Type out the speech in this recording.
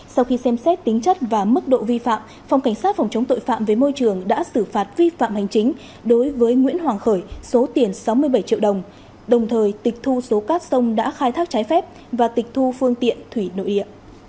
sau khi xem xét tính chất và mức độ vi phạm phòng cảnh sát phòng chống tội phạm với môi trường đã xử phạt vi phạm hành chính đối với nguyễn hoàng khởi số tiền sáu mươi bảy triệu đồng đồng thời tịch thu số cát sông đã khai thác trái phép và tịch thu phương tiện thủy nội địa